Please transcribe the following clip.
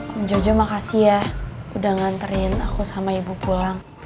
om jojo makasih ya udah nganterin aku sama ibu pulang